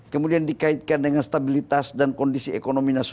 kemudian dikaitkan dengan stabilitas dan kondisi ekonomi nasional